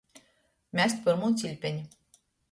Mest pyrmū ciļpeņu.